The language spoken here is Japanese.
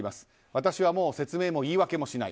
私はもう説明も言い訳もしない。